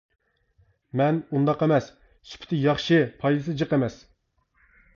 مەن: ئۇنداق ئەمەس، سۈپىتى ياخشى، پايدىسى جىق ئەمەس.